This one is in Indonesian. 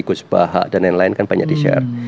riyad zaha dan yang lain banyak di share